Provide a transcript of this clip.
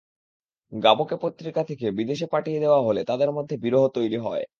গাবোকে পত্রিকা থেকে বিদেশে পাঠিয়ে দেওয়া হলে তাঁদের মধ্যে বিরহ তৈরি হয়।